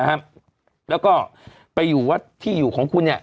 แล้วก็ไปอยู่ที่หูของคุณเนี่ย